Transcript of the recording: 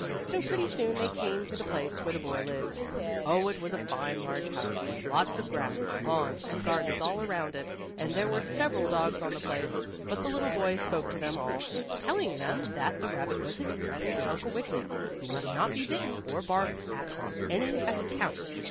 So pretty soon they came to the place where the boy lived. Oh, it was a fine, large house, with lots of grounds, lawns and gardens all around it. And there were several dogs on the place, but the little boy spoke to them all, telling them that the rabbit was his friend Uncle Wiggily, who must not be bitten or barked at on any account.